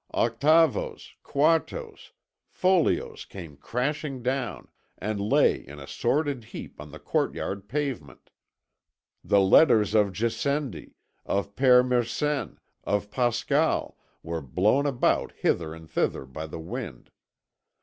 Octavos, quartos, folios came crashing down, and lay in a sordid heap on the courtyard pavement. The letters of Gassendi, of Père Mersenne, of Pascal, were blown about hither and thither by the wind.